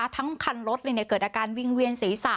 ทั้งคันธุรศเลยเกิดอาการวิ่งเวียนศรีษะ